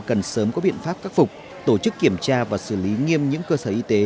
cần sớm có biện pháp khắc phục tổ chức kiểm tra và xử lý nghiêm những cơ sở y tế